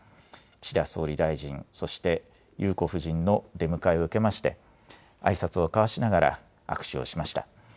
岸田総理大臣、そして裕子夫人の出迎えを受けまして、あいさつをかわしながら握手をしました。